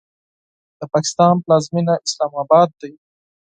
د پاکستان پلازمینه اسلام آباد ده.